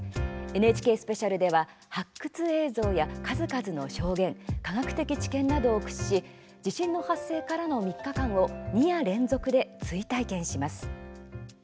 「ＮＨＫスペシャル」では発掘映像や数々の証言科学的知見などを駆使し地震の発生からの３日間を２夜連続で追体験します。